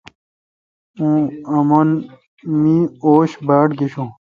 اں مودہ می اوش باڑگشوں۔